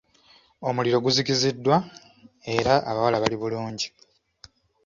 Omuliro guzikiziddwa era abawala bali bulungi.